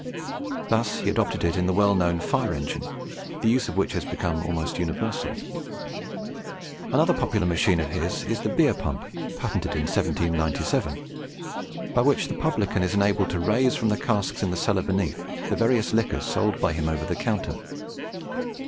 Thus he adopted it in the well known fire engine, the use of which has almost become universal. Another popular machine of his is the beer pump, patented in 1797, by which the publican is enabled to raise from the casks in the cellar beneath, the various liquors sold by him over the counter.